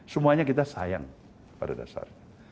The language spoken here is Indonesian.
semuanya kita sayang pada dasarnya